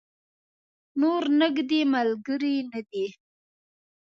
نور نږدې ملګری نه دی.